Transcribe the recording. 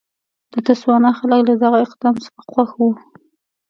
د تسوانا خلک له دغه اقدام څخه خوښ وو.